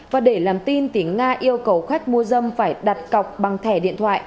và để làm tin thì nga yêu cầu khách mua dâm phải đặt cọc bằng thẻ điện thoại